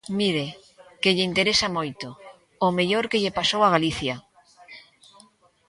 Mire, que lle interesa moito, ¡o mellor que lle pasou a Galicia!